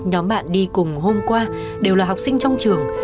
nhóm bạn đi cùng hôm qua đều là học sinh trong trường